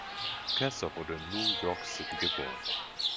Kasdorf wurde in New York City geboren.